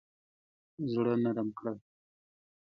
زړه نرم کړه.